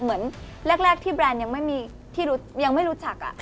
เหมือนแรกที่แบรนด์ยังไม่รู้จัก